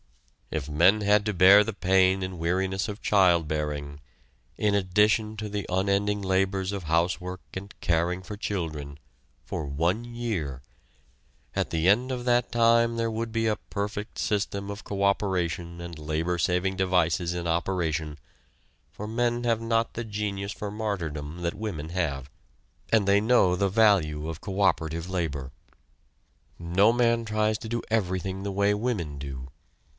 If men had to bear the pain and weariness of child bearing, in addition to the unending labors of housework and caring for children, for one year, at the end of that time there would be a perfect system of coöperation and labor saving devices in operation, for men have not the genius for martyrdom that women have; and they know the value of coöperative labor. No man tries to do everything the way women do.